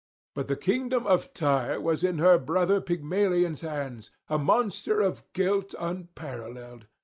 But the kingdom of Tyre was in her brother Pygmalion's hands, a monster of guilt unparalleled.